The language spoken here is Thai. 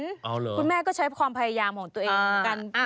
คุณแม่อยากให้ความพยายามของตัวเอง